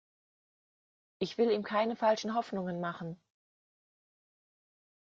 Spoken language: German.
Ich will ihm keine falschen Hoffnungen machen.